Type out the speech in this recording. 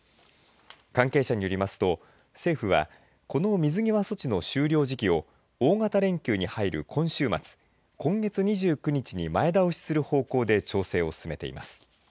関係者によりますと政府はこの水際措置の終了時期を大型連休に入る今週末今月２９日に前倒しする方向で調整を進めています。